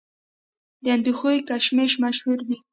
د اندخوی کشمش مشهور دي